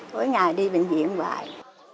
tối ngày đi bệnh viện hoài